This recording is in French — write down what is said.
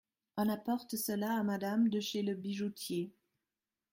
On apporte cela à Madame de chez le bijoutier.